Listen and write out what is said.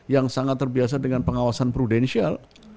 yang sangat terbiasa dengan pengawasan prudensial